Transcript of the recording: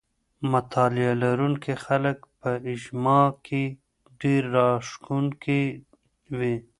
مطالعه لرونکي خلګ په اجتماع کي ډېر راښکونکي وي.